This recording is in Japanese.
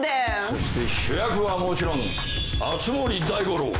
そして主役はもちろん熱護大五郎。